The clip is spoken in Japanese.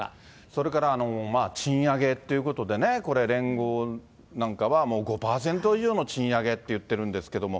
それから賃上げということでね、これ、連合なんかは、もう５％以上の賃上げっていってるんですけども。